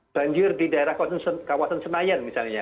banjir di daerah kawasan senayan misalnya